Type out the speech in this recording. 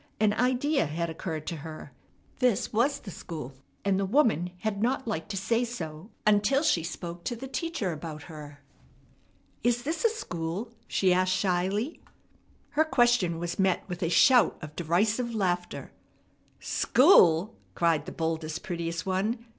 An idea had occurred to her. This was the school, and the woman had not liked to say so until she spoke to the teacher about her. "Is this a school?" she asked shyly. Her question was met with a shout of derisive laughter. "School!" cried the boldest, prettiest one.